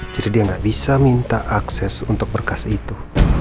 jadi dia gak bisa minta akses untuk berkas itu